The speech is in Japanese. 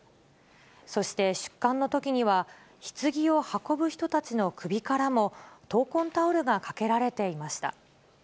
そして出棺のときには、ひつぎを運ぶ人たちの首からも、闘魂タオルがかけられていました。